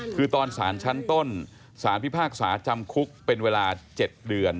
คือตอนสารชั้นต้นสารพิพากษาจำคุกเป็นเวลา๗เดือน